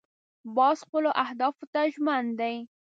باز خپلو اهدافو ته ژمن دی